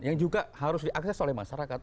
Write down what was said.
yang juga harus diakses oleh masyarakat